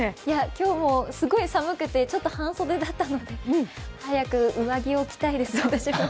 今日もすごく寒くて半袖だったので早く上着を着たいです、私も。